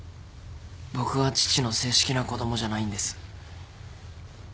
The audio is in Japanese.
僕は父の正式な子供じゃないんです。